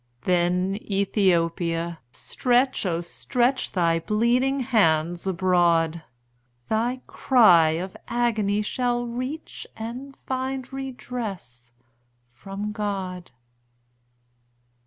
Then, Ethiopia, stretch, O stretch Thy bleeding hands abroad! Thy cry of agony shall reach And find redress from God.